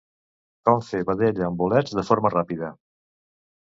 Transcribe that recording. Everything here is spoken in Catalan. Com fer vedella amb bolets de forma ràpida.